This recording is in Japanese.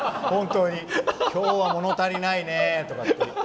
今日は物足りないねとか。